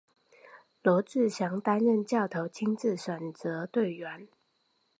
罗志祥担任教头亲自选择队员。